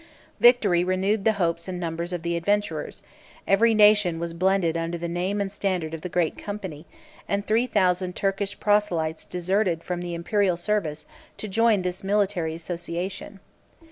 Victory renewed the hopes and numbers of the adventures: every nation was blended under the name and standard of the great company; and three thousand Turkish proselytes deserted from the Imperial service to join this military association.